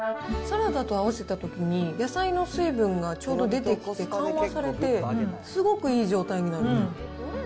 サラダと合わせたときに野菜の水分がちょうど出てきて、緩和されて、すごくいい状態になる。